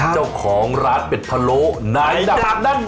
เจ้าของราชเบ็ดพะโลไหนดับไหนดับนั่นเอง